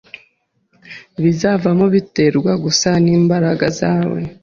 Ibizavamo biterwa gusa nimbaraga zawe.